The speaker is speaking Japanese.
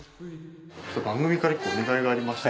番組から１個お願いがありまして。